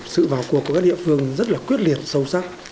sự vào cuộc của các địa phương rất là quyết liệt sâu sắc